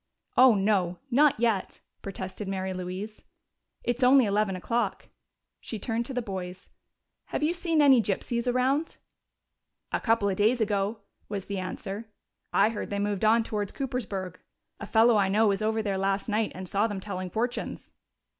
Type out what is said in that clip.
"Oh, no not yet!" protested Mary Louise. "It's only eleven o'clock." She turned to the boys. "Have you seen any gypsies around?" "A couple of days ago," was the answer. "I heard they moved on towards Coopersburg. A fellow I know was over there last night and saw them telling fortunes."